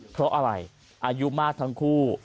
เพราะอะไรอายุมากทั้งคู่